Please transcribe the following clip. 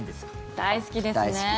大好きですね。